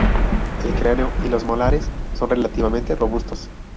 El cráneo y los molares son relativamente robustos.